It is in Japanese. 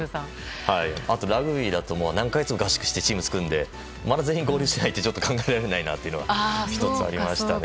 ラグビーだと何か月も合宿してチームを作るのでまだ全員合流していないのは考えられないなというのが１つ、ありましたね。